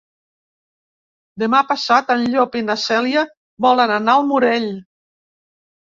Demà passat en Llop i na Cèlia volen anar al Morell.